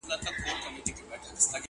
ورته راغله د برکلي د ښکاریانو!!